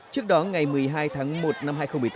trước đó ngày một mươi hai tháng một năm hai nghìn một mươi tám